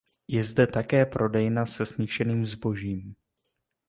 Je zde také prodejna se smíšeným zbožím.